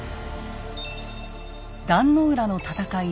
壇の浦の戦い